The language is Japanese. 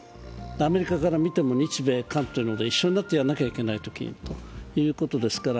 アメリカから見ても日米韓と一緒になってやらなきゃいけないときということですから。